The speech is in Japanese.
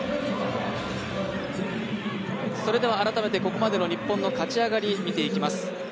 それでは改めてここまでの日本の勝ち上がり見ていきます。